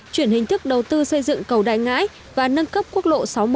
chuyển hình thức đầu tư xây dựng cầu đại ngãi và nâng cấp quốc lộ sáu mươi